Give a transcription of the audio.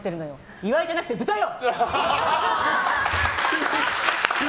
岩井じゃなくてブタよ！